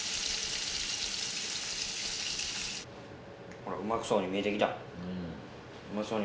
ほらうまそうに見えてきた！